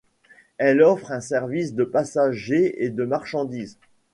Elle offre un service de passagers et de marchandises.